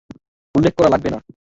উল্লেখ করা লাগবে না।